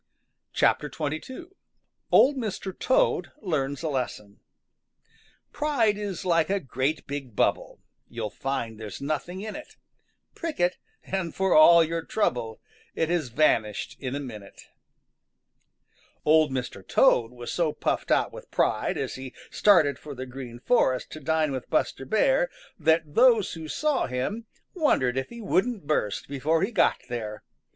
XXII OLD MR. TOAD LEARNS A LESSON Pride is like a great big bubble; You'll find there's nothing in it. Prick it and for all your trouble It has vanished in a minute. Old Mr. Toad was so puffed out with pride as he started for the Green Forest to dine with Buster Bear that those who saw him wondered if he wouldn't burst before he got there.